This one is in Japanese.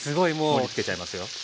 盛りつけちゃいますよ。